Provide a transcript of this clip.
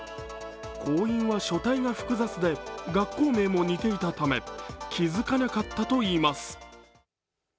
公印は書体が複雑で、学校名も似ていたため気付かなかったといいます。